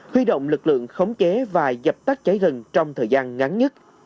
huy động lực lượng khống chế và dập tắt cháy rừng trong thời gian ngắn nhất